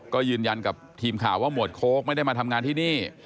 ก็ยืนยันกับทีมข่าวว่าหมวดโค้กไม่ได้มาทำงานที่นี่